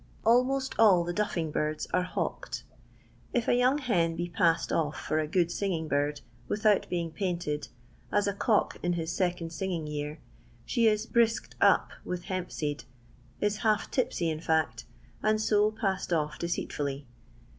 Almost all the " duffing birds" are hawked. If a young hen be passed off for a good singing bird, without being painted, as a cock in his second singing year, she is " brisked up" with hemp seed, is half tipsy in fact, and so passed off deceitfully.